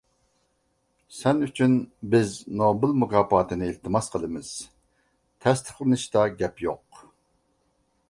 سەن ئۈچۈن بىز نوبېل مۇكاپاتىنى ئىلتىماس قىلىمىز، تەستىقلىنىشتا گەپ يوق.